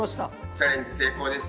チャレンジ成功です。